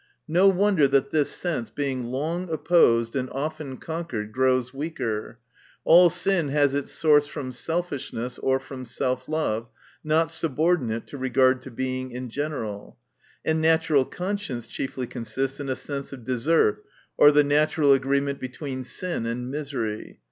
No wonder, that thia sense being long opposed and often conquered, grows weaker. All sin has iis source from selfishness, or from self love, not subordinate to regard to Being in general. And natural conscience chiefly consists in a sense of desert, or the natural agreement between sin and misery.